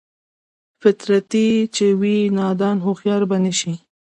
فطرتي چې وي نادان هوښيار به نشي